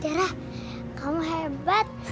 dera kamu hebat